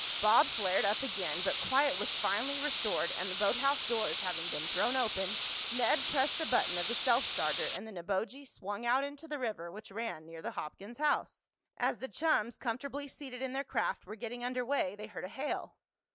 Bob flared up again, but quiet was finally restored and, the boathouse doors having been thrown open, Ned pressed the button of the self starter and the Neboje swung out into the river which ran near the Hopkins' house. As the chums, comfortably seated in their craft, were getting under way, they heard a hail.